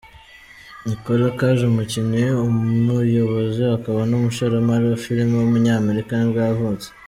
Nicolas Cage, umukinnyi, umuyobozi akaba n’umushoramari wa filime w’umunyamerika nibwo yavutse.